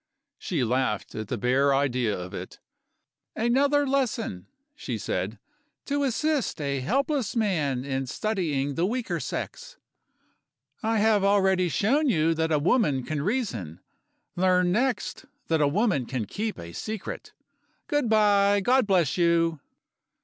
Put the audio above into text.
She laughed at the bare idea of it. "Another lesson," she said, "to assist a helpless man in studying the weaker sex. I have already shown you that a woman can reason. Learn next that a woman can keep a secret. Good by. God bless you!"